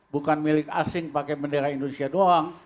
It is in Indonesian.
bukan milik asing pakai bendera indonesia doang